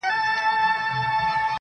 ه ستا د غزل سور له تورو غرو را اوړي.